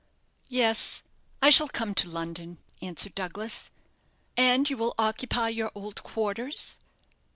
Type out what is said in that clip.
"Yes, I shall come to London," answered Douglas. "And you will occupy your old quarters?"